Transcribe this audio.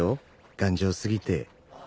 頑丈すぎて。